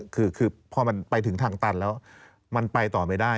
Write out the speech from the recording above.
คือพอมันไปถึงทางตันแล้วมันไปต่อไม่ได้